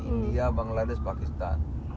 india bangladesh pakistan